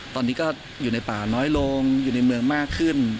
ตอนนี้ก็อยู่ในป่าน้อยลงอยู่ในเมืองมากขึ้น